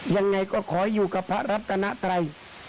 ยังไงก็ขออยู่กับพระรัตนไตร